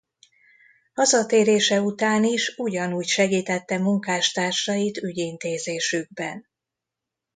Hazatérése után is ugyanúgy segítette munkás társait ügyintézésükben.